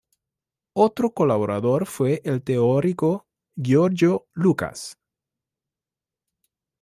Otro colaborador fue el teórico György Lukács.